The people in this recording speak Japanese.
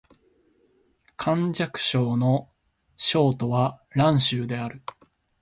甘粛省の省都は蘭州である